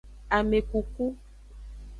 Amekuku.